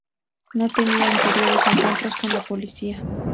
No tenía anteriores encuentros con la policía.